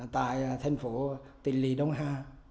tại thành phố tỉnh lì đông ha